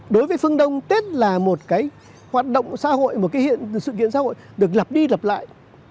đối với phương đông tết là một cái hoạt động xã hội một cái sự kiện xã hội được lặp đi lặp lại